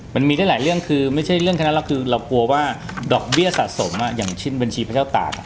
มันมีได้หลายเรื่องคือไม่ใช่เรื่องแค่นั้นแล้วคือเรากลัวว่าดอกเบี้ยสะสมอย่างเช่นบัญชีพระเจ้าตาก